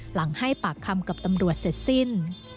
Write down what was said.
หลังให้ปากคำกับตำรวจเสร็จสิ้น